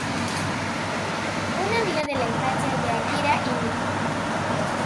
Una amiga de la infancia de Akira y Miki.